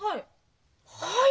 はい。